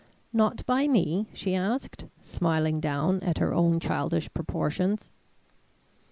"Not by me?" she asked, smiling down at her own childish proportions.